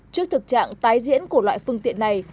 trước thực trạng tái diễn của loại phương tiện này